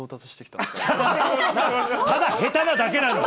ただ、下手なだけだ！